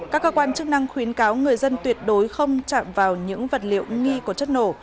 các cơ quan chức năng khuyến cáo người dân tuyệt đối không chạm vào những vật liệu nghi của chất nổ